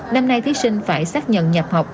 năm nay thí sinh phải xác nhận nhập học